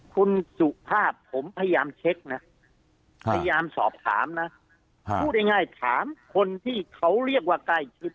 คุณสุภาพผมพยายามเช็คนะพยายามสอบถามนะพูดง่ายถามคนที่เขาเรียกว่าใกล้ชิด